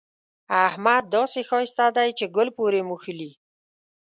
احمد داسې ښايسته دی چې ګل پورې مښلي.